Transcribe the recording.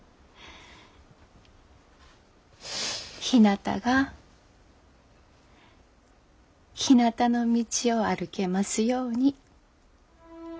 ひなたが「ひなたの道」を歩けますように。